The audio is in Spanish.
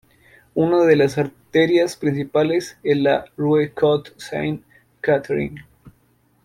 Una de las arterias principales es la "rue Côte-Sainte-Catherine".